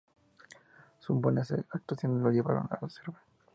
Sus buenas actuaciones lo llevaron a Reserva.